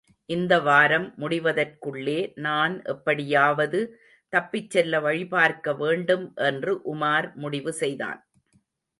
இந்த வாரம் முடிவதற்குள்ளே நான் எப்படியாவது தப்பிச்செல்ல வழிபார்க்க வேண்டும் என்று உமார் முடிவு செய்தான்.